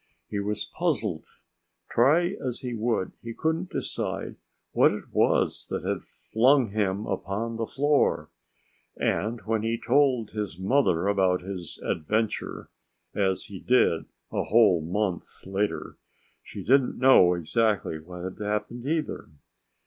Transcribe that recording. He was puzzled. Try as he would, he couldn't decide what it was that had flung him upon the floor. And when he told his mother about his adventure as he did a whole month later she didn't know exactly what had happened, either.